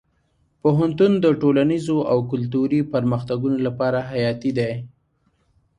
پوهنتون د ټولنیزو او کلتوري پرمختګونو لپاره حیاتي دی.